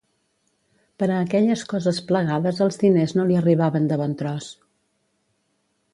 Per a aquelles coses plegades els diners no li arribaven de bon tros.